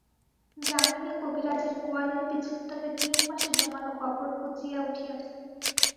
যামিনী কবিরাজের গোয়ালের পিছনটাতে তিন মাসের জমানো গোবর পচিয়া উঠিয়াছে।